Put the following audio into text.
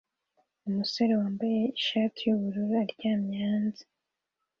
Umusore wambaye ishati yubururu aryamye hanze